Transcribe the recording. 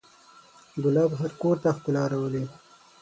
ګلاب هر کور ته ښکلا راولي.